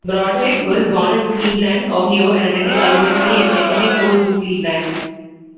Brodhead was born in Cleveland, Ohio and attended elementary and secondary schools in Cleveland.